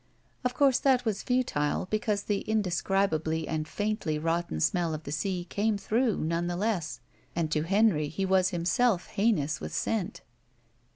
Of course that was futile, because the indescribably and faintly rotten smell of the sea came through, none the less, and to Henry he was himself heinous with scent.